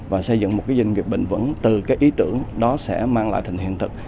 và xây dựng một cái doanh nghiệp bình vẩn từ cái ý tưởng đó sẽ mang lại thành hiện thực